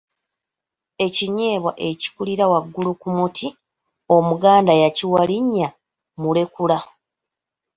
Ekinyeebwa ekikulira waggulu ku muti, Omuganda yakiwa linnya Mulekula.